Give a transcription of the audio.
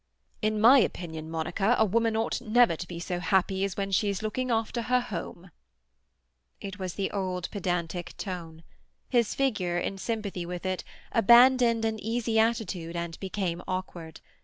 "In my opinion, Monica, a woman ought never to be so happy as when she is looking after her home." It was the old pedantic tone. His figure, in sympathy with it, abandoned an easy attitude and became awkward.